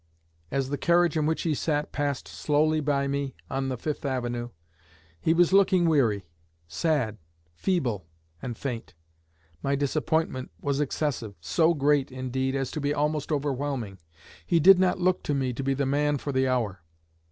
As the carriage in which he sat passed slowly by me on the Fifth avenue, he was looking weary, sad, feeble, and faint. My disappointment was excessive; so great, indeed, as to be almost overwhelming. He did not look to me to be the man for the hour.